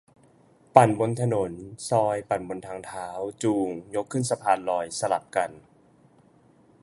ปั่นบนถนน ซอย ปั่นบนทางเท้า จูง ยกขึ้นสะพานลอย สลับกัน